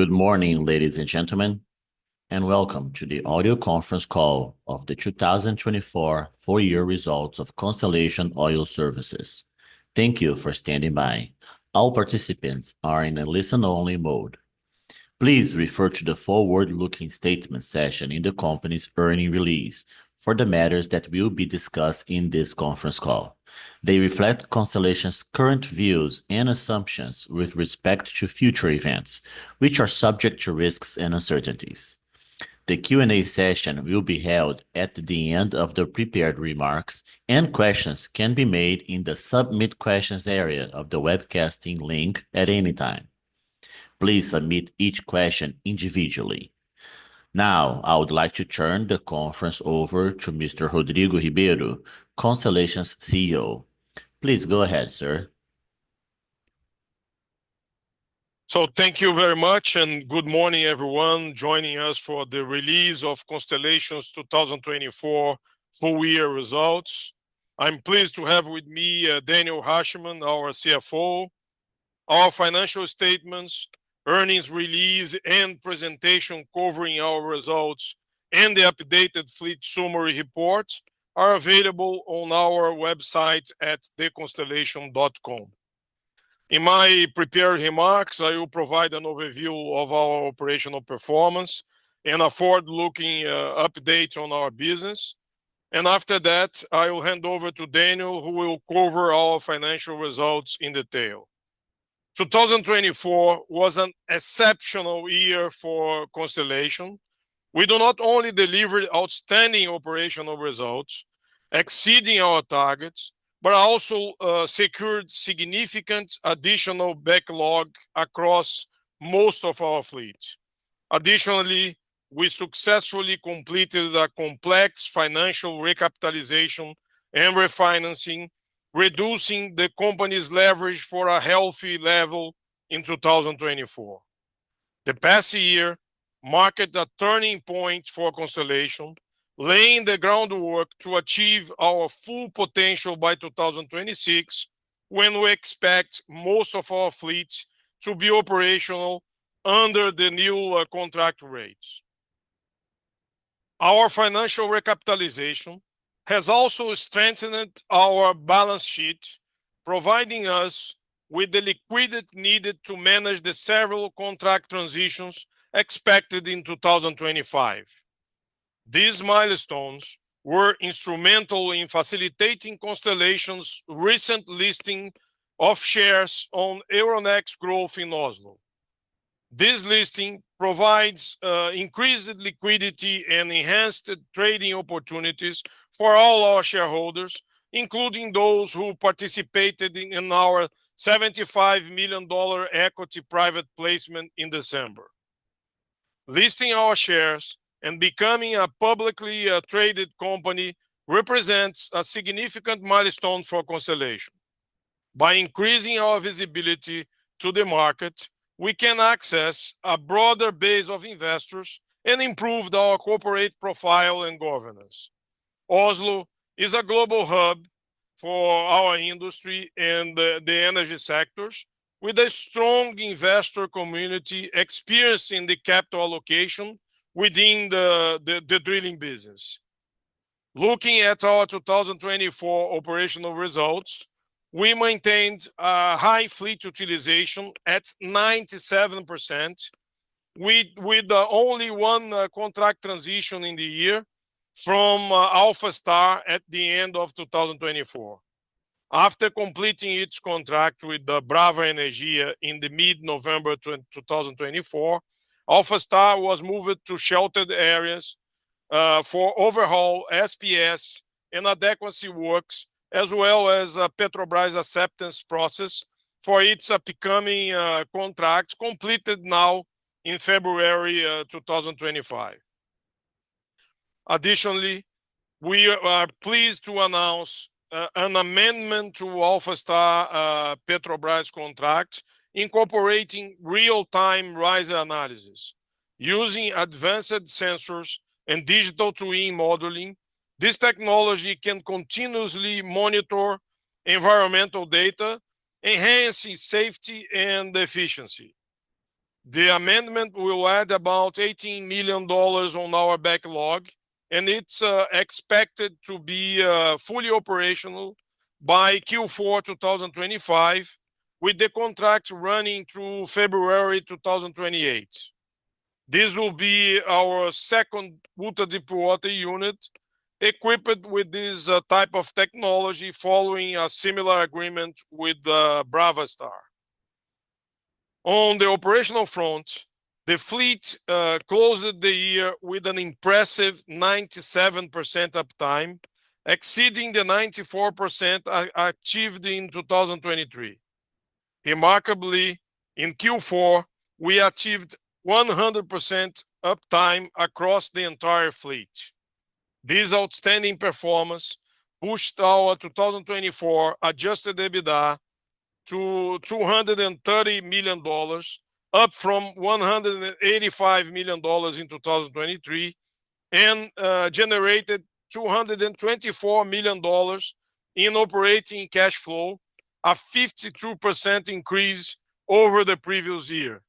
Good morning, ladies and gentlemen, and welcome to the audio conference call of the 2024 full-year results of Constellation Oil Services. Thank you for standing by. All participants are in a listen-only mode. Please refer to the forward-looking statement section in the company's earnings release for the matters that will be discussed in this conference call. They reflect Constellation's current views and assumptions with respect to future events, which are subject to risks and uncertainties. The Q&A session will be held at the end of the prepared remarks, and questions can be made in the Submit Questions area of the webcasting link at any time. Please submit each question individually. Now, I would like to turn the conference over to Mr. Rodrigo Ribeiro, Constellation's CEO. Please go ahead, sir. Thank you very much, and good morning, everyone, joining us for the release of Constellation Oil Services' 2024 full-year results. I'm pleased to have with me Daniel Rachman, our CFO. Our financial statements, earnings release, and presentation covering our results, and the updated fleet summary reports are available on our website at theconstellation.com. In my prepared remarks, I will provide an overview of our operational performance and a forward-looking update on our business. After that, I will hand over to Daniel, who will cover our financial results in detail. 2024 was an exceptional year for Constellation Oil Services. We not only delivered outstanding operational results, exceeding our targets, but also secured significant additional backlog across most of our fleet. Additionally, we successfully completed a complex financial recapitalization and refinancing, reducing the company's leverage to a healthy level in 2024. The past year marked a turning point for Constellation, laying the groundwork to achieve our full potential by 2026, when we expect most of our fleets to be operational under the new contract rates. Our financial recapitalization has also strengthened our balance sheet, providing us with the liquidity needed to manage the several contract transitions expected in 2025. These milestones were instrumental in facilitating Constellation's recent listing of shares on Euronext Growth in Oslo. This listing provides increased liquidity and enhanced trading opportunities for all our shareholders, including those who participated in our $75 million equity private placement in December. Listing our shares and becoming a publicly traded company represents a significant milestone for Constellation. By increasing our visibility to the market, we can access a broader base of investors and improve our corporate profile and governance. Oslo is a global hub for our industry and the energy sectors, with a strong investor community experiencing the capital allocation within the drilling business. Looking at our 2024 operational results, we maintained a high fleet utilization at 97%, with only one contract transition in the year from Alpha Star at the end of 2024. After completing its contract with Brava Energia in mid-November 2024, Alpha Star was moved to sheltered areas for overhaul, SPS, and adequacy works, as well as a Petrobras acceptance process for its upcoming contracts completed now in February 2025. Additionally, we are pleased to announce an amendment to Alpha Star's Petrobras contract, incorporating real-time riser analysis. Using advanced sensors and digital twin modeling, this technology can continuously monitor environmental data, enhancing safety and efficiency. The amendment will add about $18 million on our backlog, and it's expected to be fully operational by Q4 2025, with the contract running through February 2028. This will be our second water depot unit equipped with this type of technology, following a similar agreement with Brava Star. On the operational front, the fleet closed the year with an impressive 97% uptime, exceeding the 94% achieved in 2023. Remarkably, in Q4, we achieved 100% uptime across the entire fleet. This outstanding performance pushed our 2024 adjusted EBITDA to $230 million, up from $185 million in 2023, and generated $224 million in operating cash flow, a 52% increase over the previous year.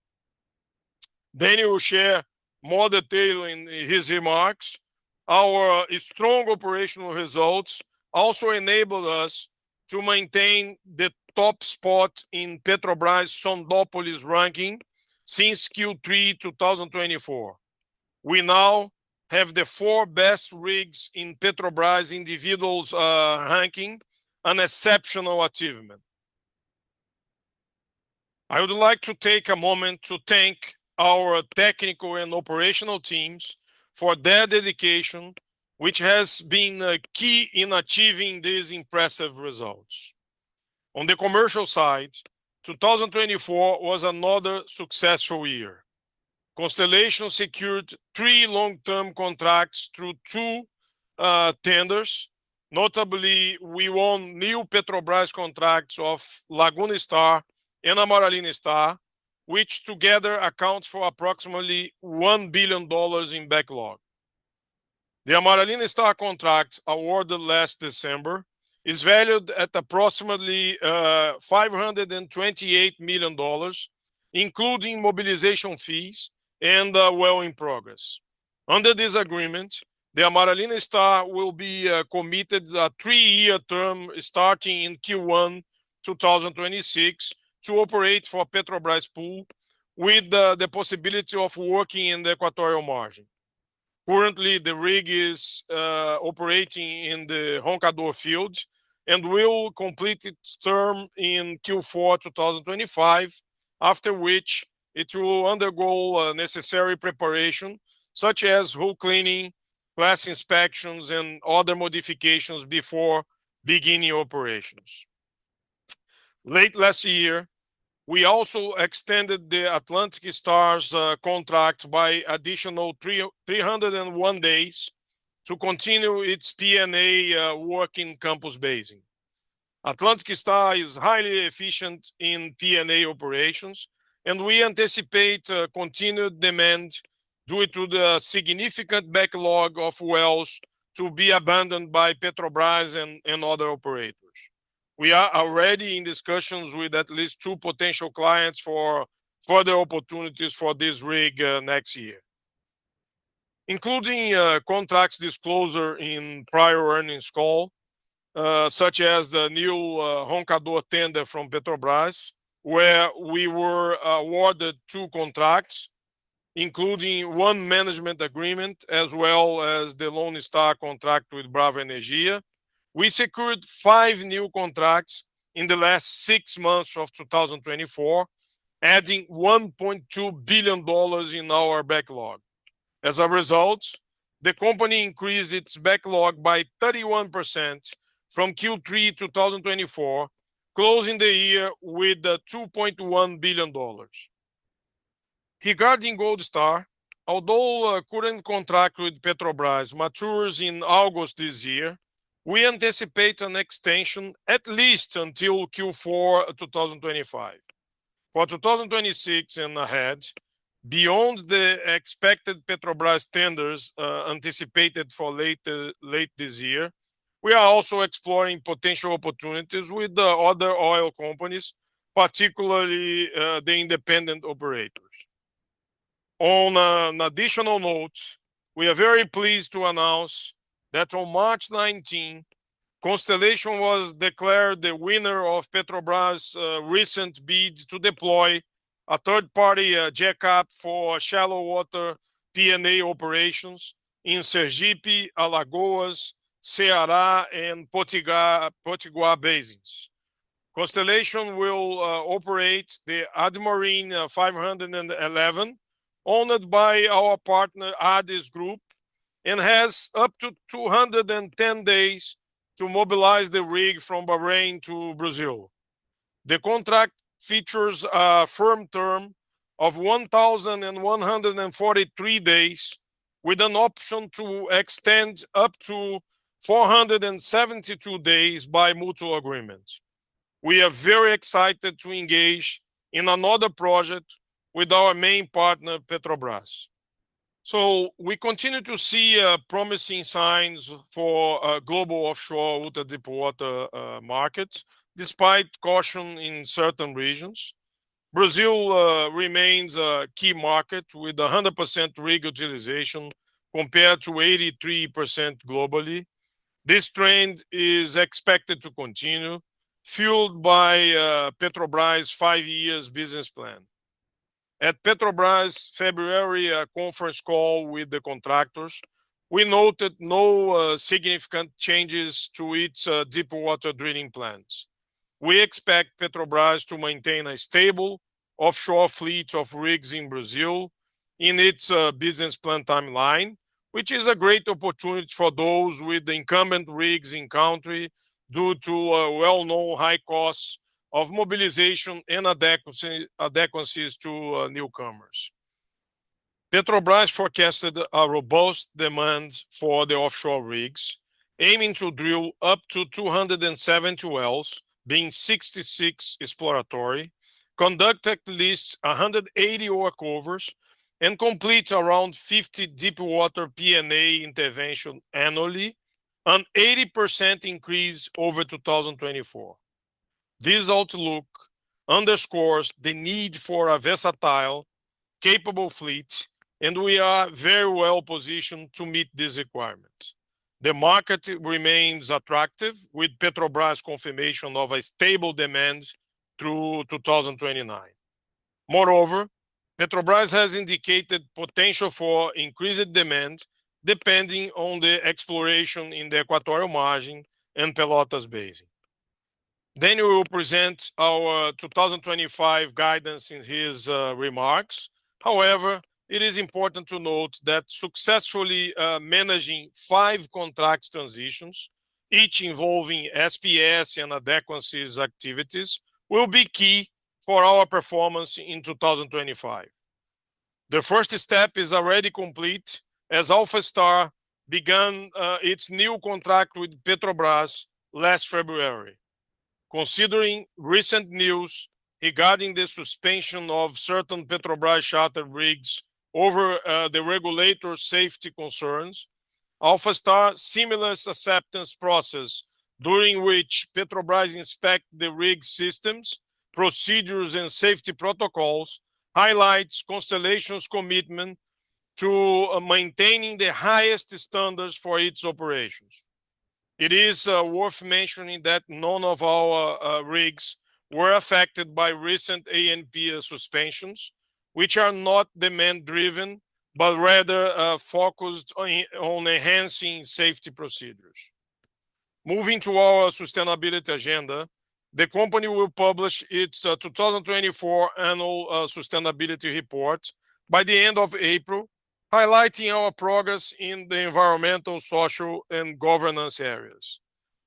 Daniel will share more detail in his remarks. Our strong operational results also enabled us to maintain the top spot in Petrobras' Sondópolis ranking since Q3 2024. We now have the four best rigs in Petrobras' individuals ranking, an exceptional achievement. I would like to take a moment to thank our technical and operational teams for their dedication, which has been key in achieving these impressive results. On the commercial side, 2024 was another successful year. Constellation secured three long-term contracts through two tenders. Notably, we won new Petrobras contracts of Laguna Star and Amaralina Star, which together accounts for approximately $1 billion in backlog. The Amaralina Star contract awarded last December is valued at approximately $528 million, including mobilization fees and well-in-progress. Under this agreement, the Amaralina Star will be committed a three-year term starting in Q1 2026 to operate for Petrobras Pool, with the possibility of working in the Equatorial Margin. Currently, the rig is operating in the Roncador Field and will complete its term in Q4 2025, after which it will undergo necessary preparation, such as hull cleaning, class inspections, and other modifications before beginning operations. Late last year, we also extended the Atlantic Star's contract by additional 301 days to continue its P&A work in Campos Basin. Atlantic Star is highly efficient in P&A operations, and we anticipate continued demand due to the significant backlog of wells to be abandoned by Petrobras and other operators. We are already in discussions with at least two potential clients for further opportunities for this rig next year, including contracts disclosure in prior earnings call, such as the new Roncador tender from Petrobras, where we were awarded two contracts, including one management agreement, as well as the Lone Star contract with Brava Energia. We secured five new contracts in the last six months of 2024, adding $1.2 billion in our backlog. As a result, the company increased its backlog by 31% from Q3 2024, closing the year with $2.1 billion. Regarding Gold Star, although a current contract with Petrobras matures in August this year, we anticipate an extension at least until Q4 2025. For 2026 and ahead, beyond the expected Petrobras tenders anticipated for late this year, we are also exploring potential opportunities with other oil companies, particularly the independent operators. On additional notes, we are very pleased to announce that on March 19, Constellation was declared the winner of Petrobras' recent bid to deploy a third-party jackup for shallow water P&A operations in Sergipe, Alagoas, Ceará, and Potiguar basins. Constellation will operate the Admarine 511, owned by our partner Ades Group, and has up to 210 days to mobilize the rig from Bahrain to Brazil. The contract features a firm term of 1,143 days, with an option to extend up to 472 days by mutual agreement. We are very excited to engage in another project with our main partner, Petrobras. We continue to see promising signs for a global offshore water depot market, despite caution in certain regions. Brazil remains a key market with 100% rig utilization compared to 83% globally. This trend is expected to continue, fueled by Petrobras' five-year business plan. At Petrobras' February conference call with the contractors, we noted no significant changes to its deep water drilling plans. We expect Petrobras to maintain a stable offshore fleet of rigs in Brazil in its business plan timeline, which is a great opportunity for those with incumbent rigs in country due to a well-known high cost of mobilization and adequacy to newcomers. Petrobras forecasted a robust demand for the offshore rigs, aiming to drill up to 270 wells, being 66 exploratory, conduct at least 180 workovers, and complete around 50 deep water P&A interventions annually, an 80% increase over 2024. This outlook underscores the need for a versatile, capable fleet, and we are very well positioned to meet this requirement. The market remains attractive with Petrobras' confirmation of a stable demand through 2029. Moreover, Petrobras has indicated potential for increased demand depending on the exploration in the Equatorial Margin and Pelotas Basin. Daniel will present our 2025 guidance in his remarks. However, it is important to note that successfully managing five contract transitions, each involving SPS and adequacy activities, will be key for our performance in 2025. The first step is already complete as Alpha Star began its new contract with Petrobras last February. Considering recent news regarding the suspension of certain Petrobras chartered rigs over the regulator's safety concerns, Alpha Star's seamless acceptance process, during which Petrobras inspects the rig systems, procedures, and safety protocols, highlights Constellation's commitment to maintaining the highest standards for its operations. It is worth mentioning that none of our rigs were affected by recent ANP suspensions, which are not demand-driven but rather focused on enhancing safety procedures. Moving to our sustainability agenda, the company will publish its 2024 annual sustainability report by the end of April, highlighting our progress in the environmental, social, and governance areas.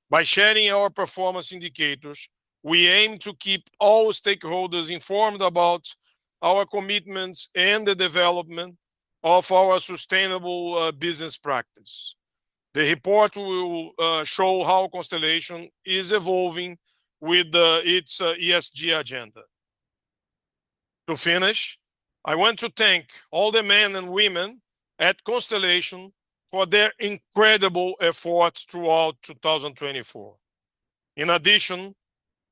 By sharing our performance indicators, we aim to keep all stakeholders informed about our commitments and the development of our sustainable business practices. The report will show how Constellation is evolving with its ESG agenda. To finish, I want to thank all the men and women at Constellation for their incredible efforts throughout 2024. In addition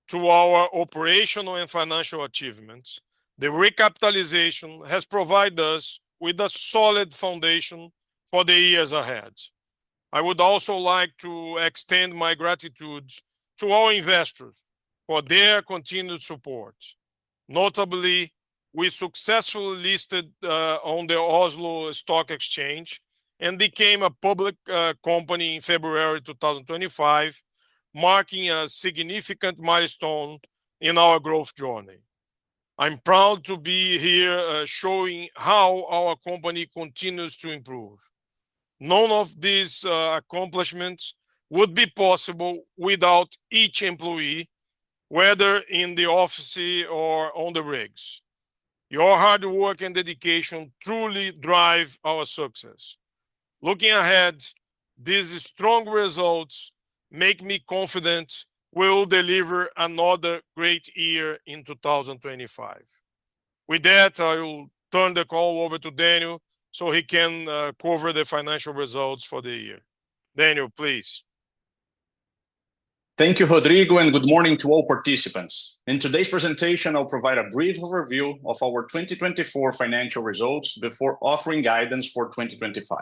to our operational and financial achievements, the recapitalization has provided us with a solid foundation for the years ahead. I would also like to extend my gratitude to our investors for their continued support. Notably, we successfully listed on the Oslo Stock Exchange and became a public company in February 2025, marking a significant milestone in our growth journey. I'm proud to be here showing how our company continues to improve. None of these accomplishments would be possible without each employee, whether in the office or on the rigs. Your hard work and dedication truly drive our success. Looking ahead, these strong results make me confident we'll deliver another great year in 2025. With that, I'll turn the call over to Daniel so he can cover the financial results for the year. Daniel, please. Thank you, Rodrigo, and good morning to all participants. In today's presentation, I'll provide a brief overview of our 2024 financial results before offering guidance for 2025.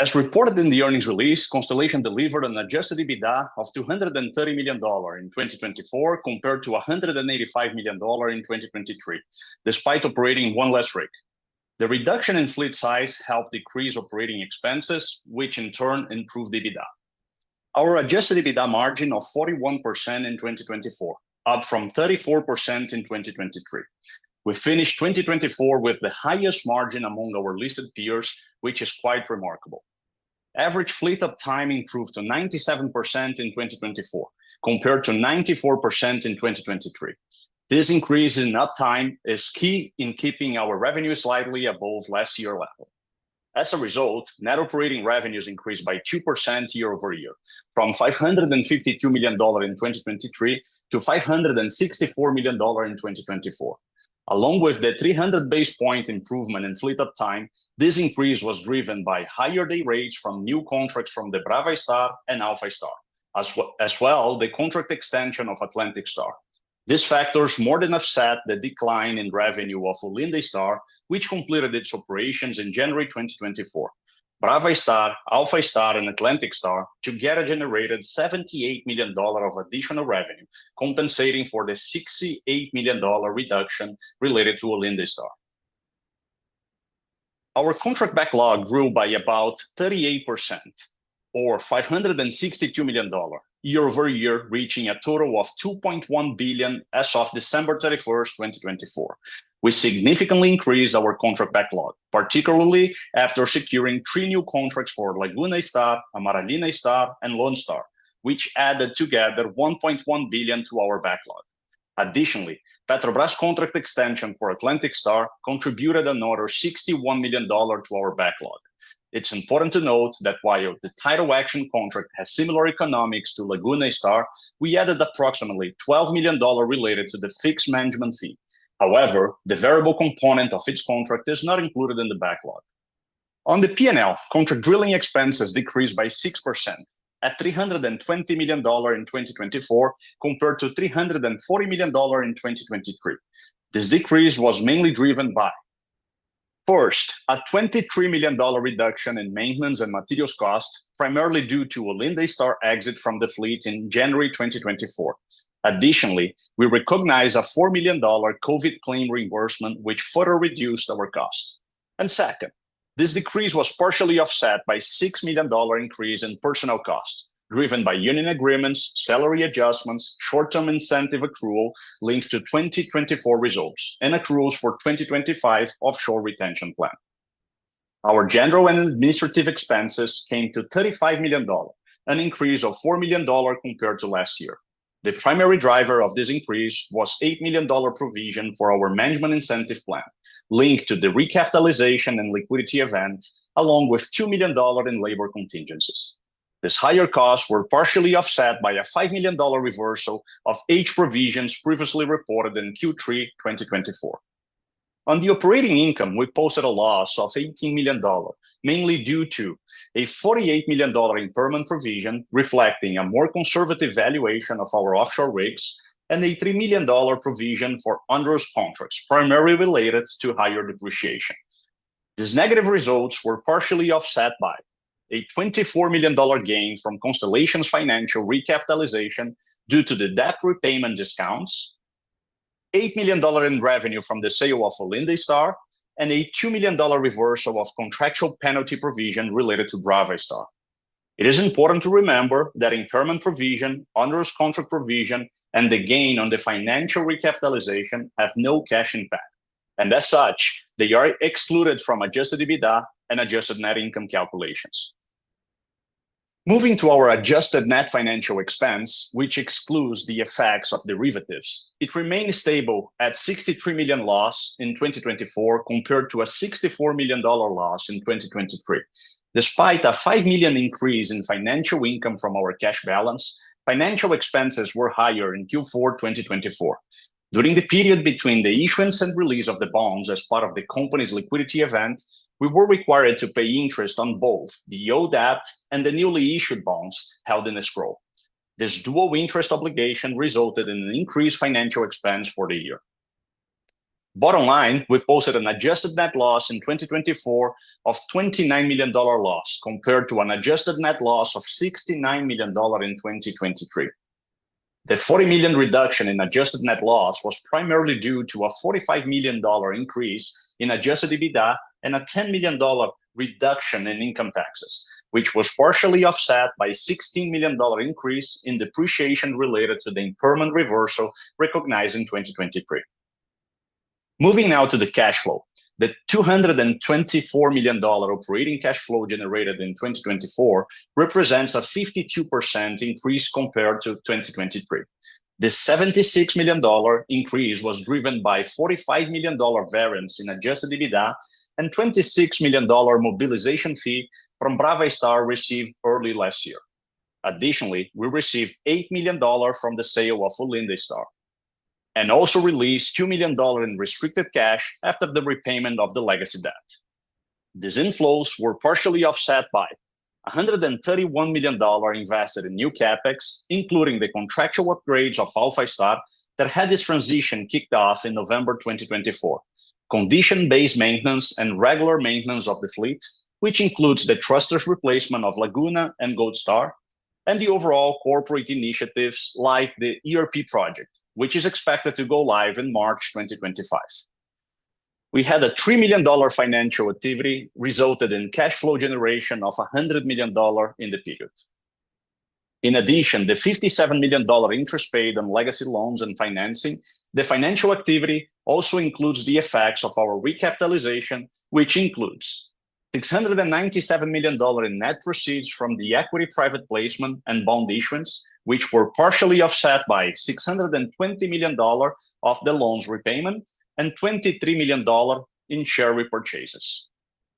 As reported in the earnings release, Constellation delivered an adjusted EBITDA of $230 million in 2024 compared to $185 million in 2023, despite operating one less rig. The reduction in fleet size helped decrease operating expenses, which in turn improved EBITDA. Our adjusted EBITDA margin of 41% in 2024, up from 34% in 2023. We finished 2024 with the highest margin among our listed peers, which is quite remarkable. Average fleet uptime improved to 97% in 2024 compared to 94% in 2023. This increase in uptime is key in keeping our revenues slightly above last year level. As a result, net operating revenues increased by 2% year-over-year, from $552 million in 2023 to $564 million in 2024. Along with the 300 basis point improvement in fleet uptime, this increase was driven by higher day rates from new contracts from the Brava Star and Alpha Star, as well as the contract extension of Atlantic Star. These factors more than offset the decline in revenue of Olinda Star, which completed its operations in January 2024. Brava Star, Alpha Star, and Atlantic Star together generated $78 million of additional revenue, compensating for the $68 million reduction related to Olinda Star. Our contract backlog grew by about 38%, or $562 million year-over-year, reaching a total of $2.1 billion as of December 31, 2024. We significantly increased our contract backlog, particularly after securing three new contracts for Laguna Star, Amaralina Star, and Lone Star, which added together $1.1 billion to our backlog. Additionally, Petrobras contract extension for Atlantic Star contributed another $61 million to our backlog. It's important to note that while the Tidal Action contract has similar economics to Laguna Star, we added approximately $12 million related to the fixed management fee. However, the variable component of its contract is not included in the backlog. On the P&L, contract drilling expenses decreased by 6%, at $320 million in 2024 compared to $340 million in 2023. This decrease was mainly driven by, first, a $23 million reduction in maintenance and materials costs, primarily due to Olinda Star's exit from the fleet in January 2024. Additionally, we recognized a $4 million COVID claim reimbursement, which further reduced our costs. This decrease was partially offset by a $6 million increase in personnel costs, driven by union agreements, salary adjustments, short-term incentive accrual linked to 2024 results, and accruals for the 2025 offshore retention plan. Our general and administrative expenses came to $35 million, an increase of $4 million compared to last year. The primary driver of this increase was an $8 million provision for our management incentive plan, linked to the recapitalization and liquidity event, along with $2 million in labor contingencies. These higher costs were partially offset by a $5 million reversal of age provisions previously reported in Q3 2024. On the operating income, we posted a loss of $18 million, mainly due to a $48 million impairment provision reflecting a more conservative valuation of our offshore rigs and a $3 million provision for underused contracts, primarily related to higher depreciation. These negative results were partially offset by a $24 million gain from Constellation's financial recapitalization due to the debt repayment discounts, $8 million in revenue from the sale of Olinda Star, and a $2 million reversal of contractual penalty provision related to Brava Star. It is important to remember that impairment provision, underused contract provision, and the gain on the financial recapitalization have no cash impact, and as such, they are excluded from adjusted EBITDA and adjusted net income calculations. Moving to our adjusted net financial expense, which excludes the effects of derivatives, it remained stable at a $63 million loss in 2024 compared to a $64 million loss in 2023. Despite a $5 million increase in financial income from our cash balance, financial expenses were higher in Q4 2024. During the period between the issuance and release of the bonds as part of the company's liquidity event, we were required to pay interest on both the old debt and the newly issued bonds held in escrow. This dual interest obligation resulted in an increased financial expense for the year. Bottom line, we posted an adjusted net loss in 2024 of $29 million loss compared to an adjusted net loss of $69 million in 2023. The $40 million reduction in adjusted net loss was primarily due to a $45 million increase in adjusted EBITDA and a $10 million reduction in income taxes, which was partially offset by a $16 million increase in depreciation related to the impairment reversal recognized in 2023. Moving now to the cash flow, the $224 million operating cash flow generated in 2024 represents a 52% increase compared to 2023. The $76 million increase was driven by a $45 million variance in adjusted EBITDA and a $26 million mobilization fee from Brava Star received early last year. Additionally, we received $8 million from the sale of Olinda Star and also released $2 million in restricted cash after the repayment of the legacy debt. These inflows were partially offset by $131 million invested in new CapEx, including the contractual upgrades of Alpha Star that had its transition kicked off in November 2024, condition-based maintenance, and regular maintenance of the fleet, which includes the thruster replacement of Laguna and Gold Star, and the overall corporate initiatives like the ERP project, which is expected to go live in March 2025. We had a $3 million financial activity resulting in cash flow generation of $100 million in the period. In addition, the $57 million interest paid on legacy loans and financing, the financial activity also includes the effects of our recapitalization, which includes $697 million in net proceeds from the equity private placement and bond issuance, which were partially offset by $620 million of the loans repayment and $23 million in share repurchases.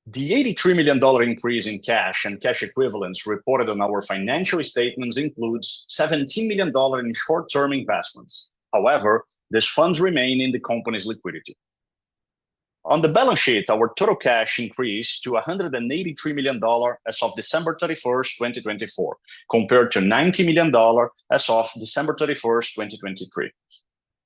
The $83 million increase in cash and cash equivalents reported on our financial statements includes $17 million in short-term investments. However, these funds remain in the company's liquidity. On the balance sheet, our total cash increased to $183 million as of December 31, 2024, compared to $90 million as of December 31, 2023.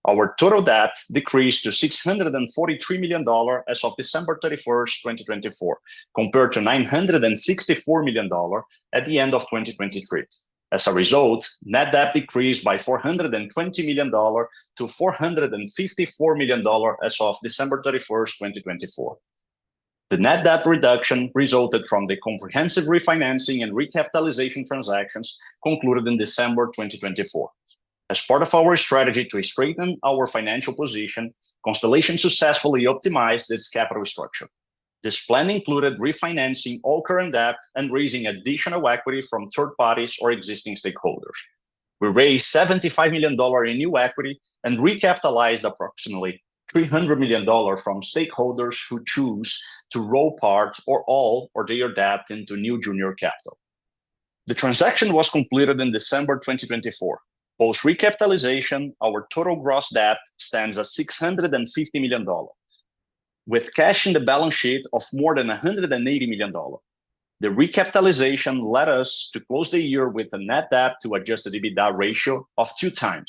Our total debt decreased to $643 million as of December 31, 2024, compared to $964 million at the end of 2023. As a result, net debt decreased by $420 million to $454 million as of December 31, 2024. The net debt reduction resulted from the comprehensive refinancing and recapitalization transactions concluded in December 2024. As part of our strategy to strengthen our financial position, Constellation successfully optimized its capital structure. This plan included refinancing all current debt and raising additional equity from third parties or existing stakeholders. We raised $75 million in new equity and recapitalized approximately $300 million from stakeholders who choose to roll part or all of their debt into new junior capital. The transaction was completed in December 2024. Post recapitalization, our total gross debt stands at $650 million, with cash in the balance sheet of more than $180 million. The recapitalization led us to close the year with a net debt-to-adjusted EBITDA ratio of 2x,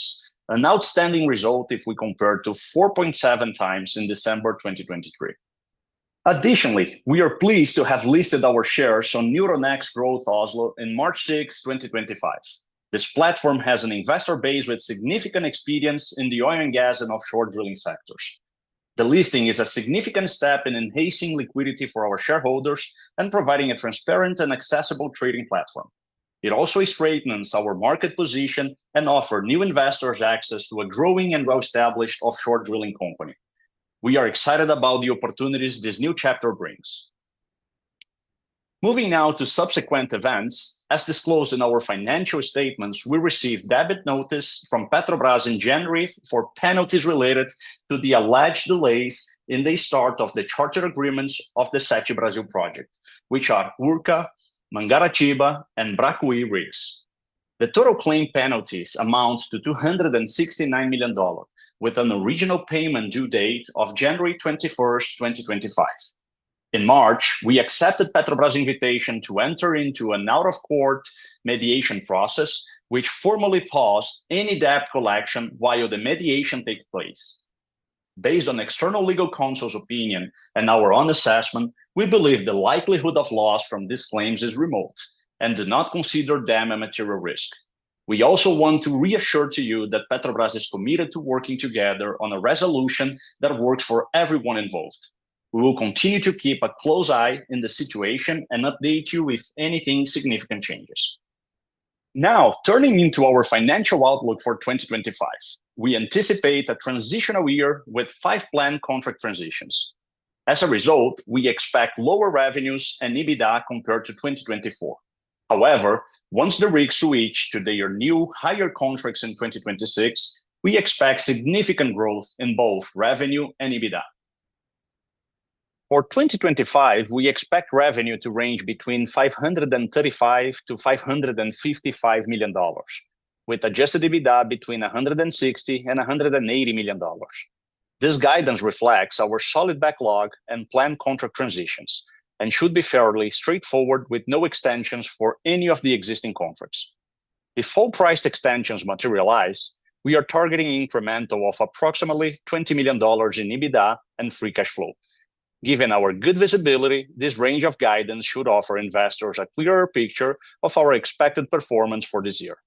an outstanding result if we compare to 4.7x in December 2023. Additionally, we are pleased to have listed our shares on Euronext Growth Oslo on March 6, 2025. This platform has an investor base with significant experience in the oil and gas and offshore drilling sectors. The listing is a significant step in enhancing liquidity for our shareholders and providing a transparent and accessible trading platform. It also strengthens our market position and offers new investors access to a growing and well-established offshore drilling company. We are excited about the opportunities this new chapter brings. Moving now to subsequent events, as disclosed in our financial statements, we received debit notice from Petrobras in January for penalties related to the alleged delays in the start of the chartered agreements of the Sete Brasil project, which are Urca, Mangaratiba, and Bracuhy rigs. The total claim penalties amount to $269 million, with an original payment due date of January 21, 2025. In March, we accepted Petrobras' invitation to enter into an out-of-court mediation process, which formally paused any debt collection while the mediation takes place. Based on external legal counsel's opinion and our own assessment, we believe the likelihood of loss from these claims is remote and do not consider them a material risk. We also want to reassure you that Petrobras is committed to working together on a resolution that works for everyone involved. We will continue to keep a close eye on the situation and update you if anything significant changes. Now, turning into our financial outlook for 2025, we anticipate a transitional year with five planned contract transitions. As a result, we expect lower revenues and EBITDA compared to 2024. However, once the rigs switch to their new higher contracts in 2026, we expect significant growth in both revenue and EBITDA. For 2025, we expect revenue to range between $535 million-$555 million, with adjusted EBITDA between $160 million-$180 million. This guidance reflects our solid backlog and planned contract transitions and should be fairly straightforward with no extensions for any of the existing contracts. If full-priced extensions materialize, we are targeting an incremental of approximately $20 million in EBITDA and free cash flow. Given our good visibility, this range of guidance should offer investors a clearer picture of our expected performance for this year.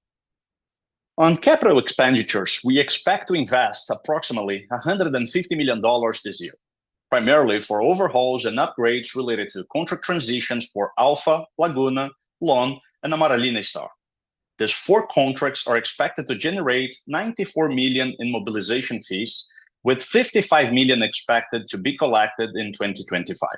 On capital expenditures, we expect to invest approximately $150 million this year, primarily for overhauls and upgrades related to contract transitions for Alpha Star, Laguna Star, Lone Star, and Amaralina Star. These four contracts are expected to generate $94 million in mobilization fees, with $55 million expected to be collected in 2025.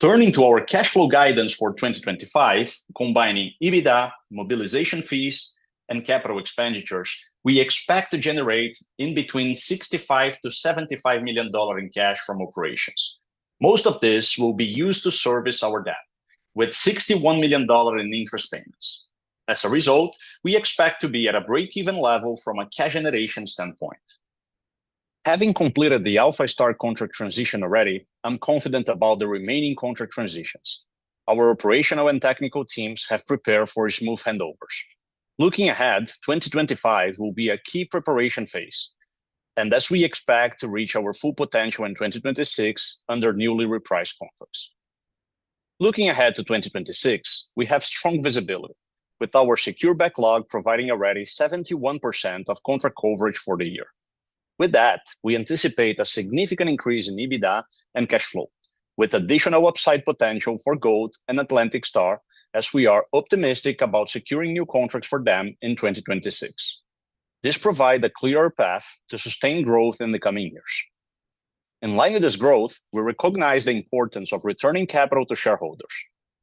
Turning to our cash flow guidance for 2025, combining EBITDA, mobilization fees, and capital expenditures, we expect to generate in between $65 million-$75 million in cash from operations. Most of this will be used to service our debt, with $61 million in interest payments. As a result, we expect to be at a break-even level from a cash generation standpoint. Having completed the Alpha Star contract transition already, I'm confident about the remaining contract transitions. Our operational and technical teams have prepared for smooth handovers. Looking ahead, 2025 will be a key preparation phase, and thus we expect to reach our full potential in 2026 under newly repriced contracts. Looking ahead to 2026, we have strong visibility, with our secure backlog providing already 71% of contract coverage for the year. With that, we anticipate a significant increase in EBITDA and cash flow, with additional upside potential for Gold and Atlantic Star, as we are optimistic about securing new contracts for them in 2026. This provides a clearer path to sustain growth in the coming years. In line with this growth, we recognize the importance of returning capital to shareholders.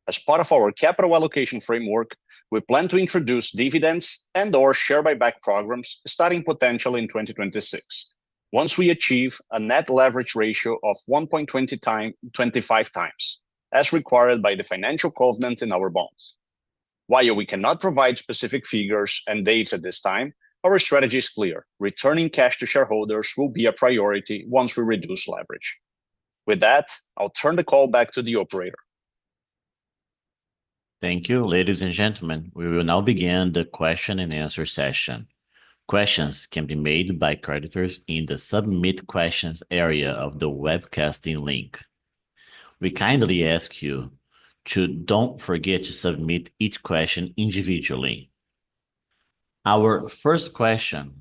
As part of our capital allocation framework, we plan to introduce dividends and/or share buyback programs starting potentially in 2026, once we achieve a net leverage ratio of 1.25x, as required by the financial covenant in our bonds. While we cannot provide specific figures and dates at this time, our strategy is clear: returning cash to shareholders will be a priority once we reduce leverage. With that, I'll turn the call back to the operator. Thank you, ladies and gentlemen. We will now begin the question and answer session. Questions can be made by creditors in the Submit Questions area of the webcasting link. We kindly ask you to not forget to submit each question individually. Our first question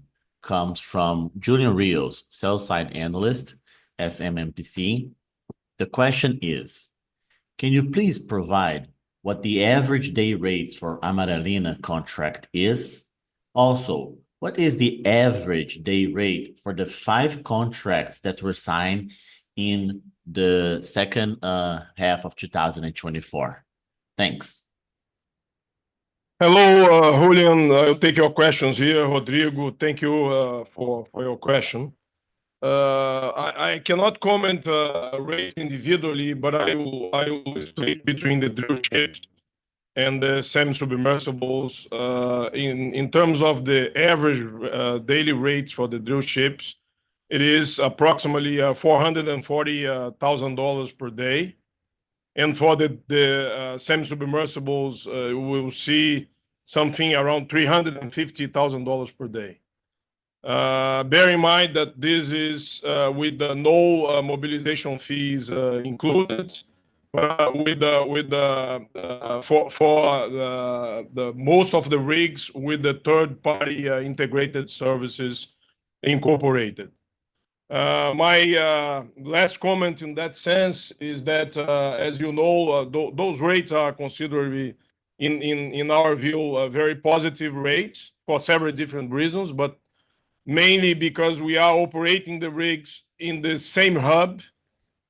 comes from Julian Rios, Sell Side Analyst at SMBC. The question is, "Can you please provide what the average day rate for Amaralina contract is? Also, what is the average day rate for the five contracts that were signed in the second half of 2024? Thanks. Hello, Julian. I'll take your questions here, Rodrigo. Thank you for your question. I cannot comment on rates individually, but I will explain between the drillships and the semi-submersibles. In terms of the average daily rates for the drillships, it is approximately $440,000 per day. For the semi-submersibles, we will see something around $350,000 per day. Bear in mind that this is with no mobilization fees included, but with most of the rigs with the third-party integrated services incorporated. My last comment in that sense is that, as you know, those rates are considered, in our view, very positive rates for several different reasons, but mainly because we are operating the rigs in the same hub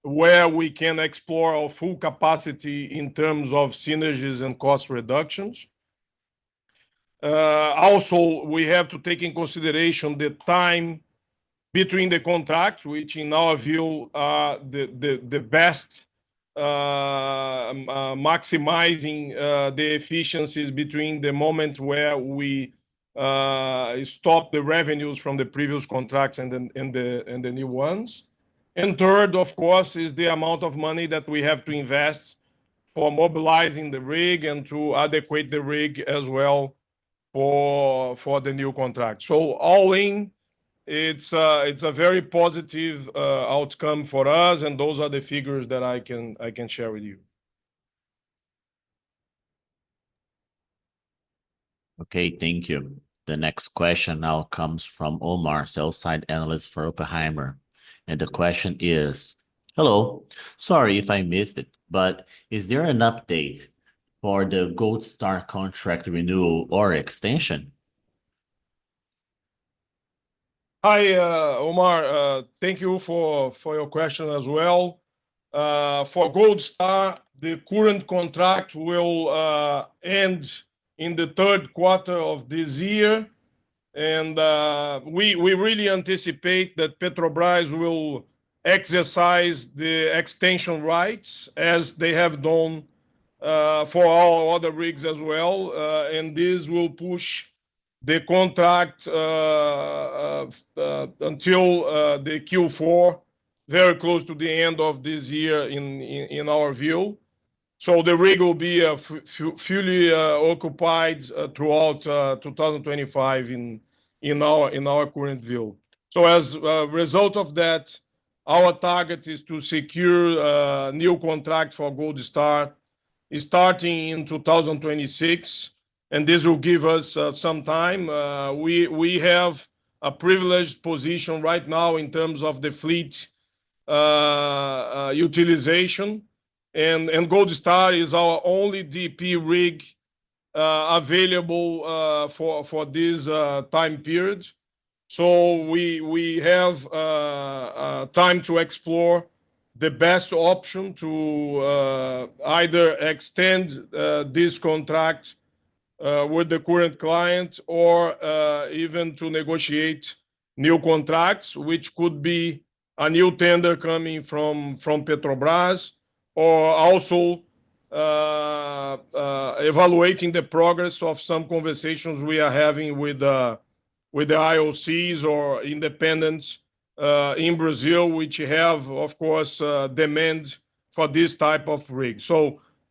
where we can explore our full capacity in terms of synergies and cost reductions. Also, we have to take into consideration the time between the contracts, which in our view are the best maximizing the efficiencies between the moment where we stop the revenues from the previous contracts and the new ones. Third, of course, is the amount of money that we have to invest for mobilizing the rig and to adequate the rig as well for the new contract. All in, it's a very positive outcome for us, and those are the figures that I can share with you. Okay, thank you. The next question now comes from Omar, Sell Side Analyst for Oppenheimer. The question is, "Hello, sorry if I missed it, but is there an update for the Gold Star contract renewal or extension?" Hi, Omar. Thank you for your question as well. For Gold Star, the current contract will end in the third quarter of this year. We really anticipate that Petrobras will exercise the extension rights, as they have done for our other rigs as well. This will push the contract until the Q4, very close to the end of this year in our view. The rig will be fully occupied throughout 2025 in our current view. As a result of that, our target is to secure a new contract for Gold Star starting in 2026. This will give us some time. We have a privileged position right now in terms of the fleet utilization. Gold Star is our only DP rig available for this time period. We have time to explore the best option to either extend this contract with the current client or even to negotiate new contracts, which could be a new tender coming from Petrobras, or also evaluating the progress of some conversations we are having with the IOCs or independents in Brazil, which have, of course, demand for this type of rig.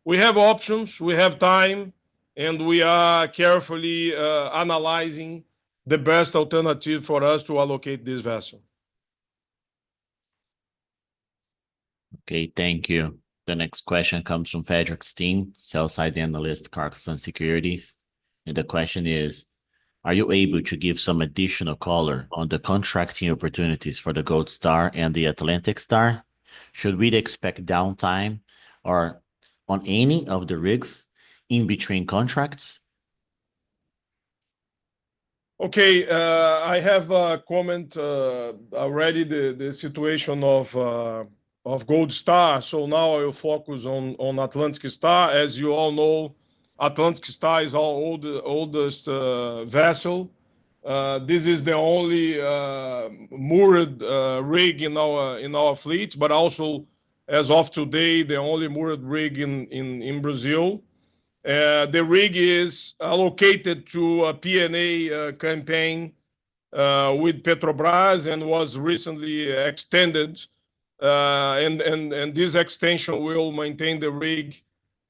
We have options, we have time, and we are carefully analyzing the best alternative for us to allocate this vessel. Okay, thank you. The next question comes from Fredrik Stene, Sell Side Analyst, Clarksons Securities. The question is, "Are you able to give some additional color on the contracting opportunities for the Gold Star and the Atlantic Star? Should we expect downtime on any of the rigs in between contracts? Okay, I have a comment already, the situation of Gold Star. Now I'll focus on Atlantic Star. As you all know, Atlantic Star is our oldest vessel. This is the only moored rig in our fleet, but also, as of today, the only moored rig in Brazil. The rig is allocated to a P&A campaign with Petrobras and was recently extended. This extension will maintain the rig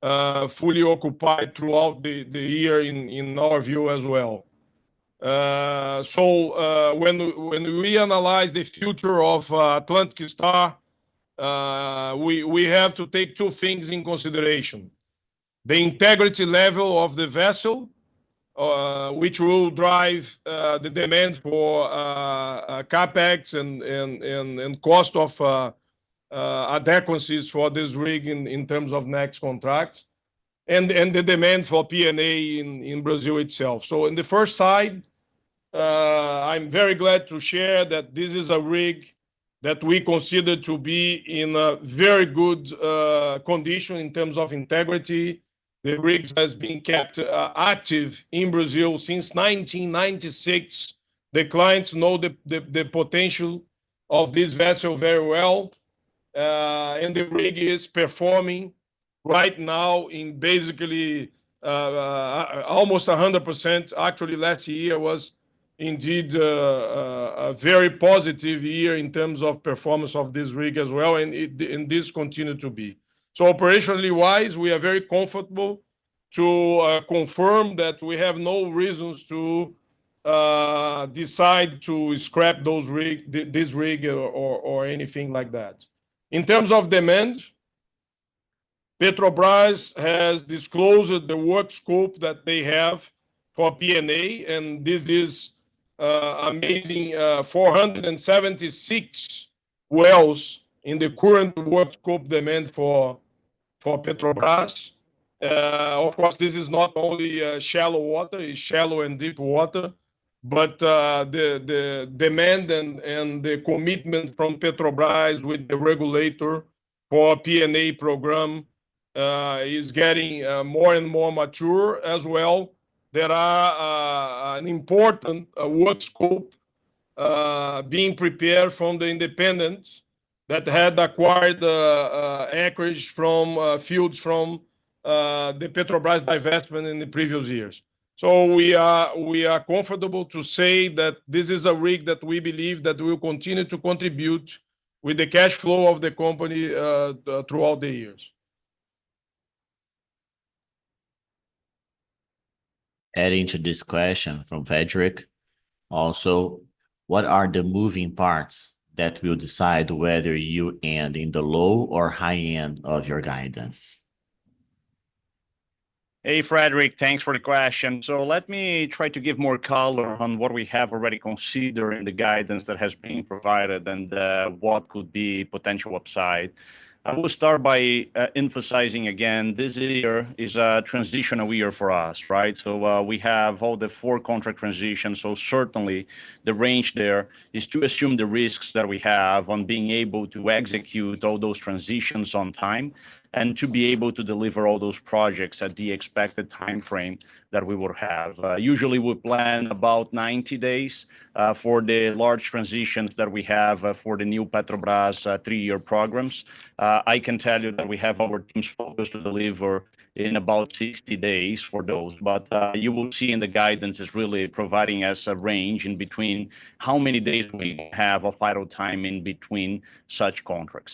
fully occupied throughout the year in our view as well. When we analyze the future of Atlantic Star, we have to take two things into consideration: the integrity level of the vessel, which will drive the demand for CapEx and cost of adequacies for this rig in terms of next contracts, and the demand for P&A in Brazil itself. On the first side, I'm very glad to share that this is a rig that we consider to be in very good condition in terms of integrity. The rig has been kept active in Brazil since 1996. The clients know the potential of this vessel very well. The rig is performing right now in basically almost 100%. Actually, last year was indeed a very positive year in terms of performance of this rig as well, and this continues to be. Operationally wise, we are very comfortable to confirm that we have no reasons to decide to scrap this rig or anything like that. In terms of demand, Petrobras has disclosed the work scope that they have for P&A, and this is amazing: 476 wells in the current work scope demand for Petrobras. Of course, this is not only shallow water; it's shallow and deep water. The demand and the commitment from Petrobras with the regulator for P&A program is getting more and more mature as well. There is an important work scope being prepared from the independents that had acquired acreage from fields from the Petrobras divestment in the previous years. We are comfortable to say that this is a rig that we believe that will continue to contribute with the cash flow of the company throughout the years. Adding to this question from Frederic, also, what are the moving parts that will decide whether you end in the low or high end of your guidance? Hey, Frederick, thanks for the question. Let me try to give more color on what we have already considered in the guidance that has been provided and what could be potential upside. I will start by emphasizing again, this year is a transitional year for us, right? We have all the four contract transitions. Certainly, the range there is to assume the risks that we have on being able to execute all those transitions on time and to be able to deliver all those projects at the expected timeframe that we will have. Usually, we plan about 90 days for the large transitions that we have for the new Petrobras three-year programs. I can tell you that we have our teams focused to deliver in about 60 days for those. What you will see in the guidance is really providing us a range in between how many days we have a final time in between such contracts.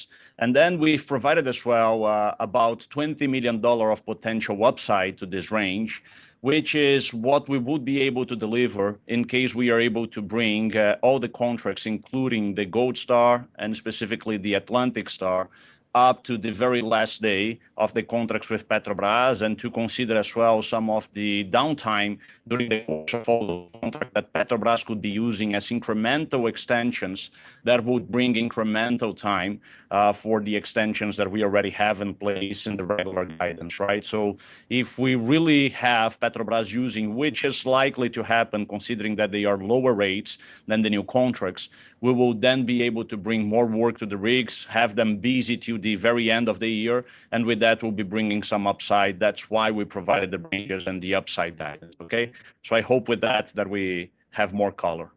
We have provided as well about $20 million of potential upside to this range, which is what we would be able to deliver in case we are able to bring all the contracts, including the Gold Star and specifically the Atlantic Star, up to the very last day of the contracts with Petrobras and to consider as well some of the downtime during the course of all the contract that Petrobras could be using as incremental extensions that would bring incremental time for the extensions that we already have in place in the regular guidance, right? If we really have Petrobras using, which is likely to happen considering that they are lower rates than the new contracts, we will then be able to bring more work to the rigs, have them busy to the very end of the year, and with that, we will be bringing some upside. That's why we provided the ranges and the upside guidance, okay? I hope with that that we have more color.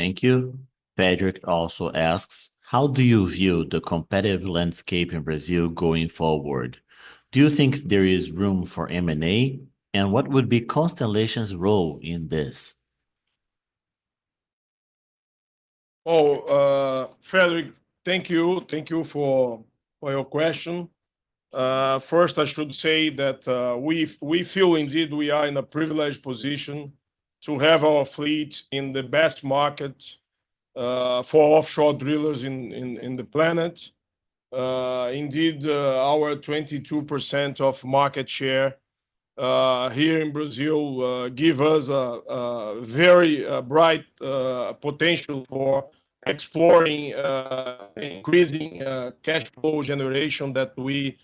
Thank you. Frederic also asks, "How do you view the competitive landscape in Brazil going forward? Do you think there is room for M&A? And what would be Constellation's role in this?" Oh, Frederick, thank you. Thank you for your question. First, I should say that we feel indeed we are in a privileged position to have our fleet in the best market for offshore drillers in the planet. Indeed, our 22% of market share here in Brazil gives us a very bright potential for exploring increasing cash flow generation that we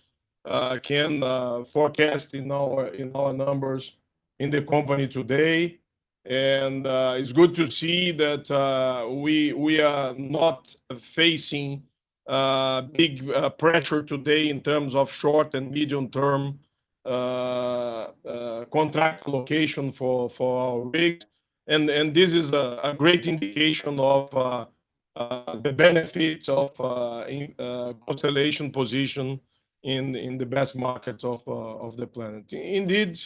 can forecast in our numbers in the company today. It is good to see that we are not facing big pressure today in terms of short and medium-term contract location for our rig. This is a great indication of the benefits of Constellation's position in the best markets of the planet. Indeed,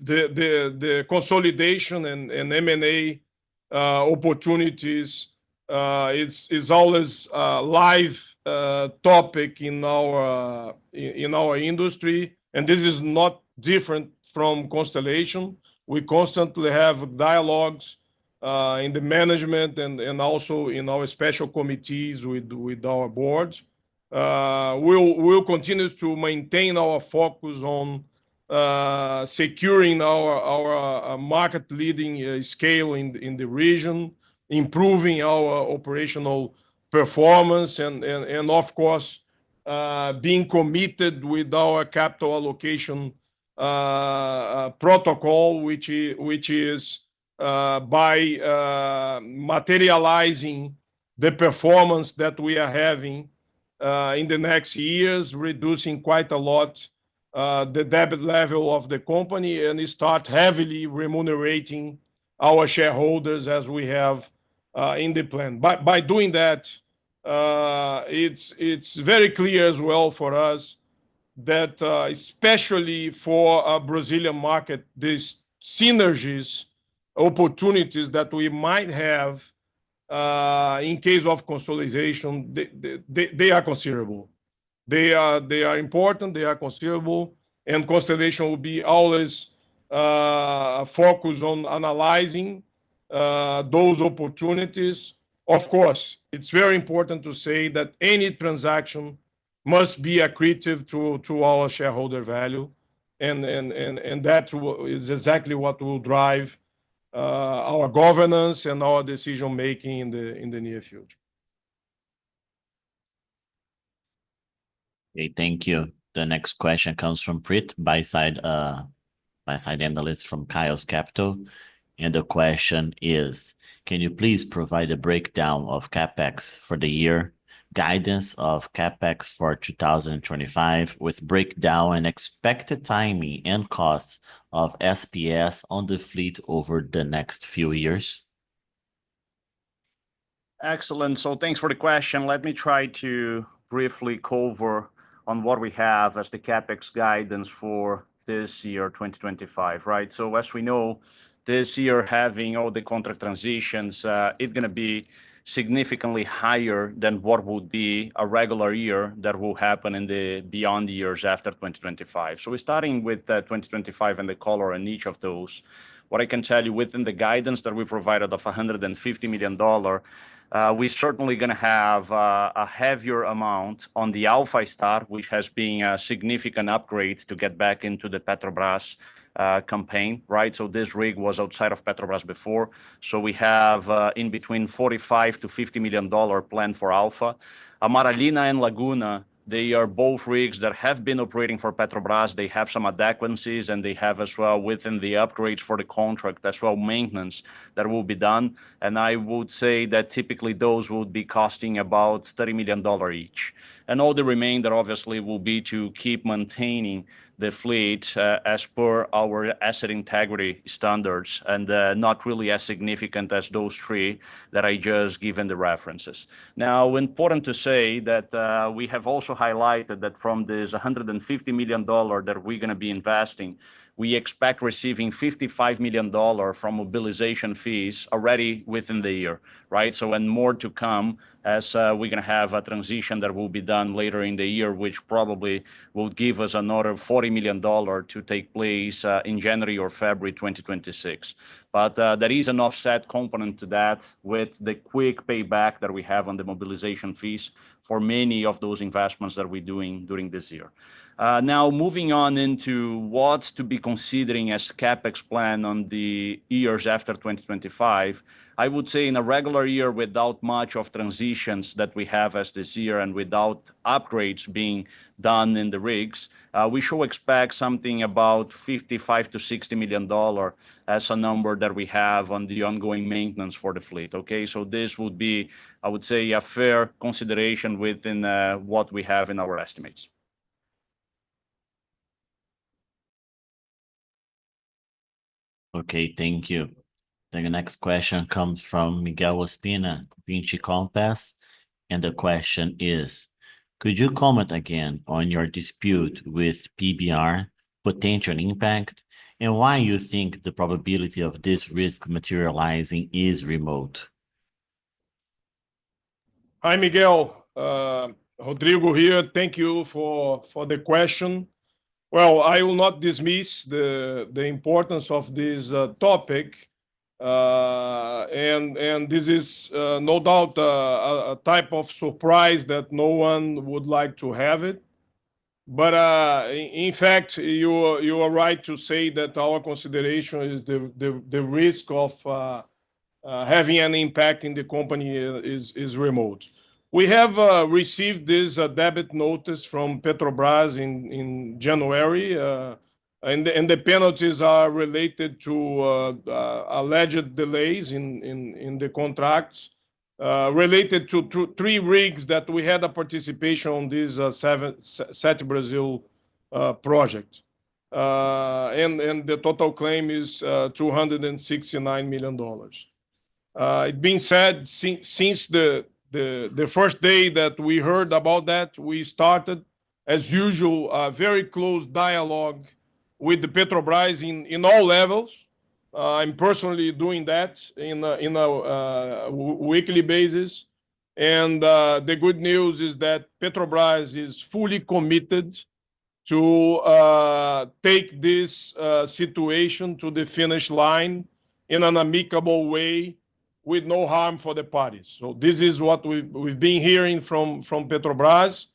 the consolidation and M&A opportunities is always a live topic in our industry. This is not different from Constellation. We constantly have dialogues in the management and also in our special committees with our boards. We will continue to maintain our focus on securing our market-leading scale in the region, improving our operational performance, and, of course, being committed with our capital allocation protocol, which is by materializing the performance that we are having in the next years, reducing quite a lot the debt level of the company and start heavily remunerating our shareholders as we have in the plan. By doing that, it is very clear as well for us that, especially for a Brazilian market, the synergies, opportunities that we might have in case of Constellation, they are considerable. They are important, they are considerable, and Constellation will be always focused on analyzing those opportunities. Of course, it's very important to say that any transaction must be accretive to our shareholder value. That is exactly what will drive our governance and our decision-making in the near future. Okay, thank you. The next question comes from Brett, buyside analyst from Caius Capital. The question is, "Can you please provide a breakdown of CapEx for the year? Guidance of CapEx for 2025 with breakdown and expected timing and cost of SPS on the fleet over the next few years?" Excellent. Thanks for the question. Let me try to briefly cover on what we have as the CapEx guidance for this year, 2025, right? As we know, this year, having all the contract transitions, it's going to be significantly higher than what would be a regular year that will happen in the beyond years after 2025. We're starting with 2025 and the color in each of those. What I can tell you, within the guidance that we provided of $150 million, we're certainly going to have a heavier amount on the Alpha Star, which has been a significant upgrade to get back into the Petrobras campaign, right? This rig was outside of Petrobras before. We have in between $45 million-$50 million planned for Alpha. Amaralina and Laguna, they are both rigs that have been operating for Petrobras. They have some adequacies, and they have as well within the upgrades for the contract as well maintenance that will be done. I would say that typically those will be costing about $30 million each. All the remainder obviously will be to keep maintaining the fleet as per our asset integrity standards and not really as significant as those three that I just given the references. Important to say that we have also highlighted that from this $150 million that we're going to be investing, we expect receiving $55 million from mobilization fees already within the year, right? More to come as we're going to have a transition that will be done later in the year, which probably will give us another $40 million to take place in January or February 2026. There is an offset component to that with the quick payback that we have on the mobilization fees for many of those investments that we're doing during this year. Now, moving on into what to be considering as CapEx plan on the years after 2025, I would say in a regular year without much of transitions that we have as this year and without upgrades being done in the rigs, we should expect something about $55 million-$60 million as a number that we have on the ongoing maintenance for the fleet, okay? This would be, I would say, a fair consideration within what we have in our estimates. Okay, thank you. The next question comes from Miguel Ospina, Vinci Partners. The question is, "Could you comment again on your dispute with PBR potential impact and why you think the probability of this risk materializing is remote?" Hi, Miguel. Rodrigo here. Thank you for the question. I will not dismiss the importance of this topic. This is no doubt a type of surprise that no one would like to have. In fact, you are right to say that our consideration is the risk of having an impact in the company is remote. We have received this debt notice from Petrobras in January. The penalties are related to alleged delays in the contracts related to three rigs that we had a participation on this Sete Brasil project. The total claim is $269 million. That being said, since the first day that we heard about that, we started, as usual, a very close dialogue with Petrobras in all levels. I'm personally doing that on a weekly basis. The good news is that Petrobras is fully committed to take this situation to the finish line in an amicable way with no harm for the parties. This is what we've been hearing from Petrobras.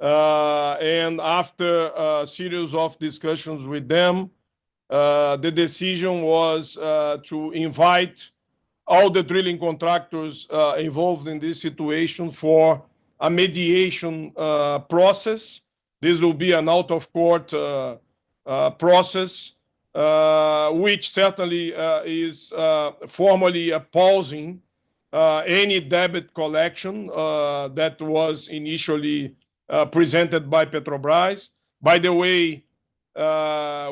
After a series of discussions with them, the decision was to invite all the drilling contractors involved in this situation for a mediation process. This will be an out-of-court process, which certainly is formally opposing any debt collection that was initially presented by Petrobras. By the way,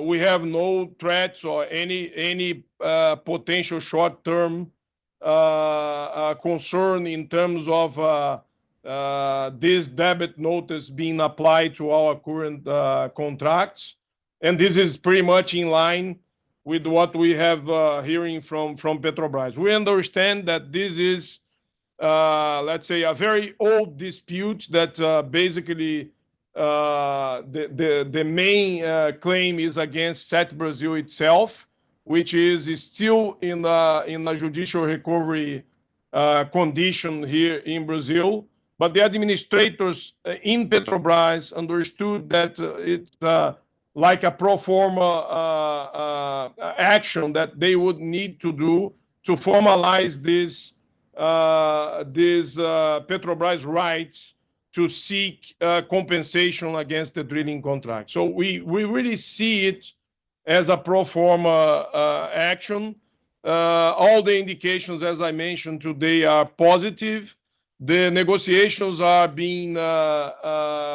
we have no threats or any potential short-term concern in terms of this debt notice being applied to our current contracts. This is pretty much in line with what we have been hearing from Petrobras. We understand that this is, let's say, a very old dispute that basically the main claim is against Sete Brasil itself, which is still in a judicial recovery condition here in Brazil. The administrators in Petrobras understood that it's like a pro forma action that they would need to do to formalize this Petrobras right to seek compensation against the drilling contract. We really see it as a pro forma action. All the indications, as I mentioned today, are positive. The negotiations are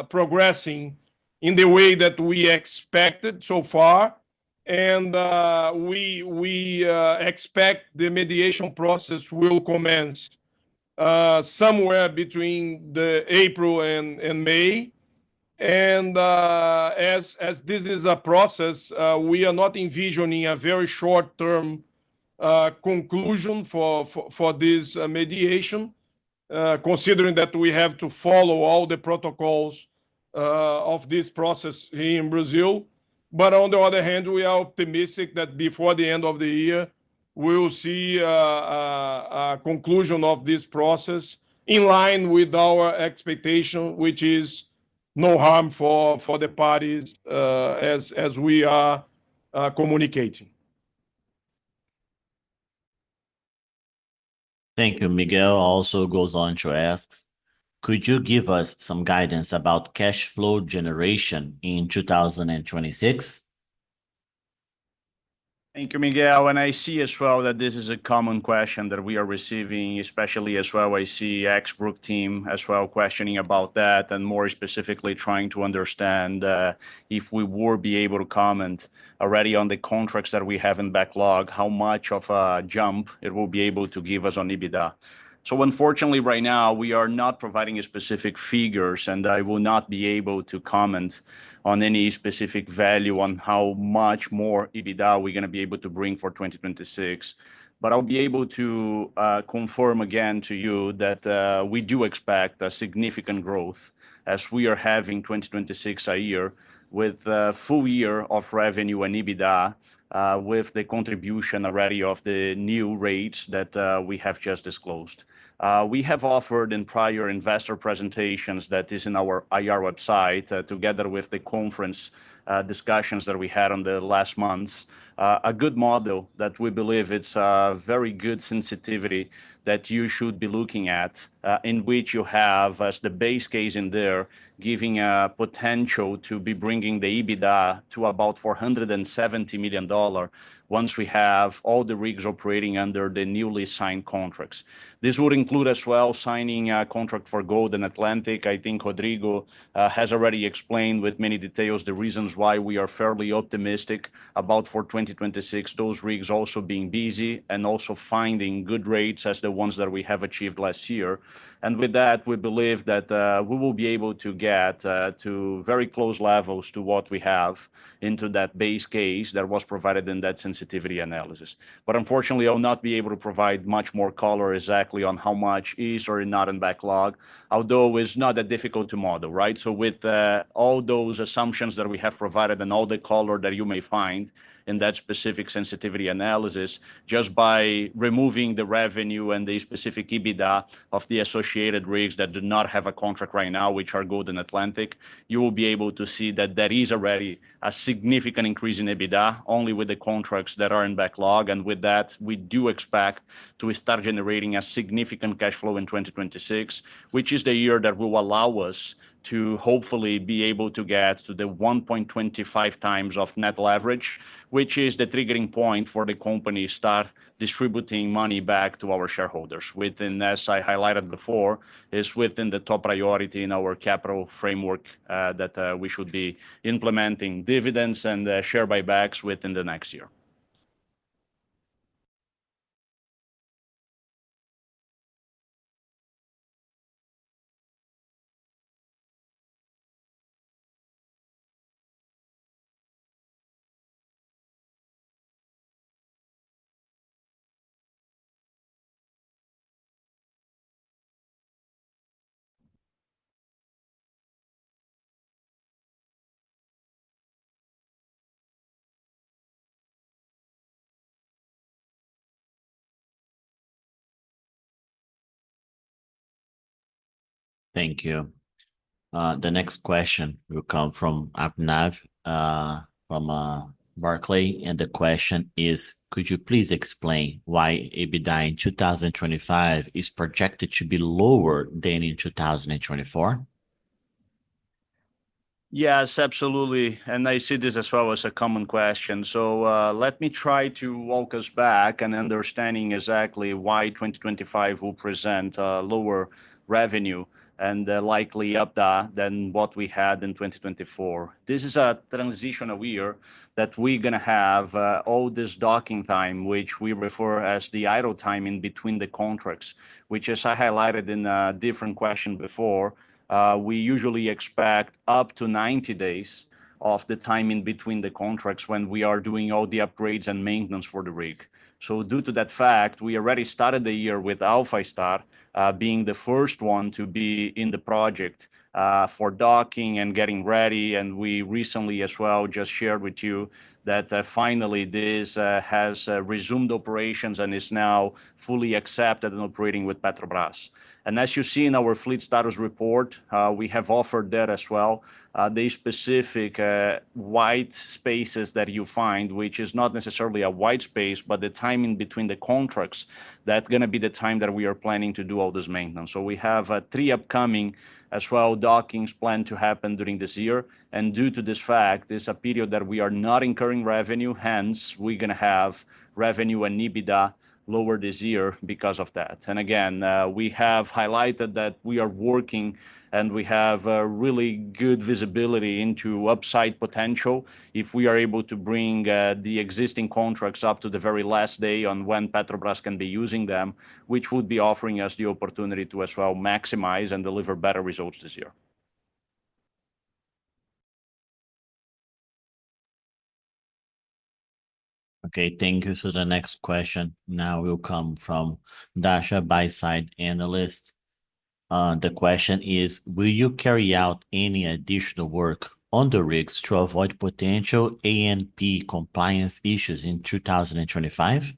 progressing in the way that we expected so far. We expect the mediation process will commence somewhere between April and May. As this is a process, we are not envisioning a very short-term conclusion for this mediation, considering that we have to follow all the protocols of this process here in Brazil. On the other hand, we are optimistic that before the end of the year, we'll see a conclusion of this process in line with our expectation, which is no harm for the parties as we are communicating. Thank you. Miguel also goes on to ask, "Could you give us some guidance about cash flow generation in 2026?" Thank you, Miguel. I see as well that this is a common question that we are receiving, especially as well I see the Exbrook team as well questioning about that and more specifically trying to understand if we will be able to comment already on the contracts that we have in backlog, how much of a jump it will be able to give us on EBITDA. Unfortunately, right now, we are not providing specific figures, and I will not be able to comment on any specific value on how much more EBITDA we're going to be able to bring for 2026. I'll be able to confirm again to you that we do expect significant growth as we are having 2026 a year with a full year of revenue and EBITDA with the contribution already of the new rates that we have just disclosed. We have offered in prior investor presentations that is in our IR website together with the conference discussions that we had on the last months, a good model that we believe is a very good sensitivity that you should be looking at in which you have as the base case in there giving a potential to be bringing the EBITDA to about $470 million once we have all the rigs operating under the newly signed contracts. This would include as well signing a contract for Golden Atlantic. I think Rodrigo has already explained with many details the reasons why we are fairly optimistic about for 2026, those rigs also being busy and also finding good rates as the ones that we have achieved last year. With that, we believe that we will be able to get to very close levels to what we have into that base case that was provided in that sensitivity analysis. Unfortunately, I'll not be able to provide much more color exactly on how much is or not in backlog, although it's not that difficult to model, right? With all those assumptions that we have provided and all the color that you may find in that specific sensitivity analysis, just by removing the revenue and the specific EBITDA of the associated rigs that do not have a contract right now, which are Gold Star and Atlantic Star, you will be able to see that there is already a significant increase in EBITDA only with the contracts that are in backlog. With that, we do expect to start generating a significant cash flow in 2026, which is the year that will allow us to hopefully be able to get to the 1.25x of net leverage, which is the triggering point for the company to start distributing money back to our shareholders. Within, as I highlighted before, is within the top priority in our capital framework that we should be implementing dividends and share buybacks within the next year. Thank you. The next question will come from Abhinav from Barclays. The question is, "Could you please explain why EBITDA in 2025 is projected to be lower than in 2024?" Yes, absolutely. I see this as well as a common question. Let me try to walk us back and understand exactly why 2025 will present a lower revenue and likely EBITDA than what we had in 2024. This is a transitional year that we are going to have all this docking time, which we refer to as the idle time in between the contracts, which, as I highlighted in a different question before, we usually expect up to 90 days of the time in between the contracts when we are doing all the upgrades and maintenance for the rig. Due to that fact, we already started the year with Alpha Star being the first one to be in the project for docking and getting ready. We recently as well just shared with you that finally this has resumed operations and is now fully accepted and operating with Petrobras. As you see in our fleet status report, we have offered that as well. The specific white spaces that you find, which is not necessarily a white space, but the time in between the contracts, that is going to be the time that we are planning to do all this maintenance. We have three upcoming as well dockings planned to happen during this year. Due to this fact, it is a period that we are not incurring revenue. Hence, we are going to have revenue and EBITDA lower this year because of that. Again, we have highlighted that we are working and we have really good visibility into upside potential if we are able to bring the existing contracts up to the very last day on when Petrobras can be using them, which would be offering us the opportunity to as well maximize and deliver better results this year. Okay, thank you. The next question now will come from Dasha buy-side analyst. The question is, "Will you carry out any additional work on the rigs to avoid potential ANP compliance issues in 2025?"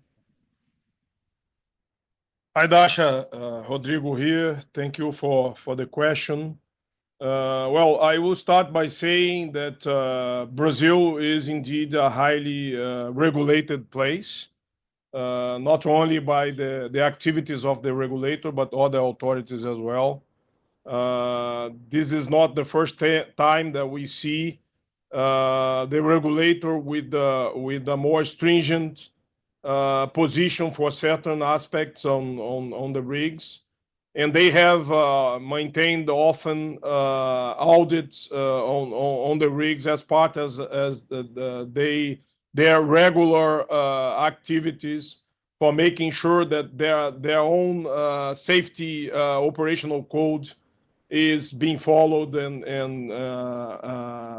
Hi, Dasha. Rodrigo here. Thank you for the question. I will start by saying that Brazil is indeed a highly regulated place, not only by the activities of the regulator, but other authorities as well. This is not the first time that we see the regulator with a more stringent position for certain aspects on the rigs. They have maintained often audits on the rigs as part of their regular activities for making sure that their own safety operational code is being followed and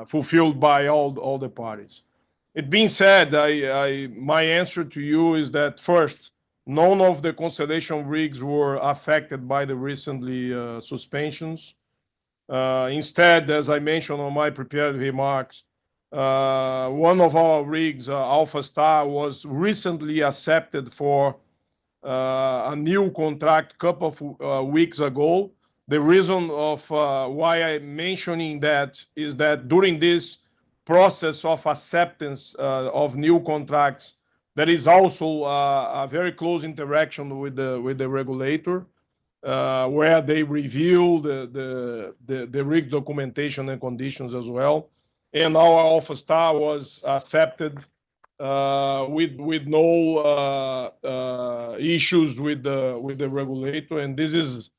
fulfilled by all the parties. That being said, my answer to you is that first, none of the Constellation rigs were affected by the recent suspensions. Instead, as I mentioned on my prepared remarks, one of our rigs, Alpha Star, was recently accepted for a new contract a couple of weeks ago. The reason why I'm mentioning that is that during this process of acceptance of new contracts, there is also a very close interaction with the regulator where they review the rig documentation and conditions as well. Our Alpha Star was accepted with no issues with the regulator. This is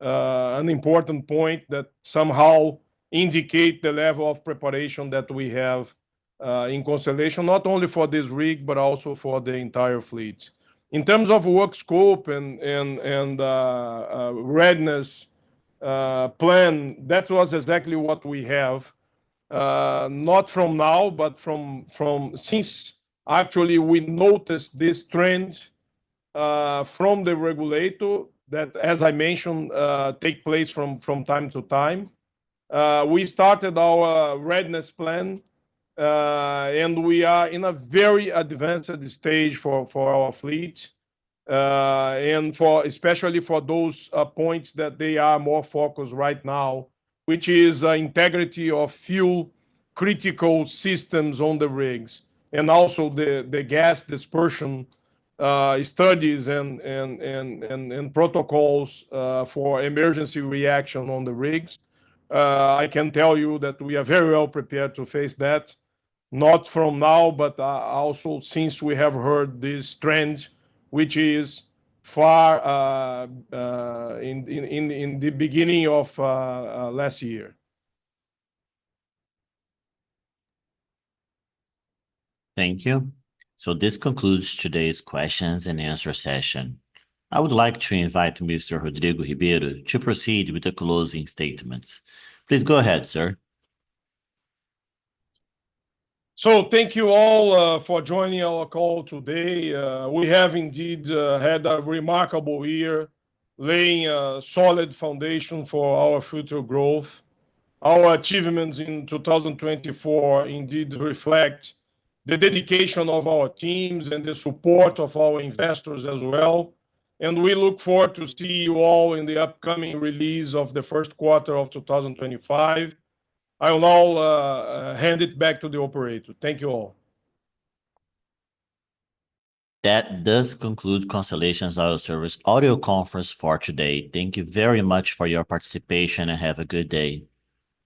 an important point that somehow indicates the level of preparation that we have in Constellation, not only for this rig, but also for the entire fleet. In terms of work scope and readiness plan, that was exactly what we have, not from now, but since actually we noticed this trend from the regulator that, as I mentioned, takes place from time to time. We started our readiness plan, and we are in a very advanced stage for our fleet, especially for those points that they are more focused right now, which is integrity of fuel critical systems on the rigs and also the gas dispersion studies and protocols for emergency reaction on the rigs. I can tell you that we are very well prepared to face that, not from now, but also since we have heard this trend, which is far in the beginning of last year. Thank you. This concludes today's questions and answer session. I would like to invite Mr. Rodrigo Ribeiro to proceed with the closing statements. Please go ahead, sir. Thank you all for joining our call today. We have indeed had a remarkable year laying a solid foundation for our future growth. Our achievements in 2024 indeed reflect the dedication of our teams and the support of our investors as well. We look forward to seeing you all in the upcoming release of the first quarter of 2025. I'll now hand it back to the operator. Thank you all. That does conclude Constellation Oil Services Audio Conference for today. Thank you very much for your participation and have a good day.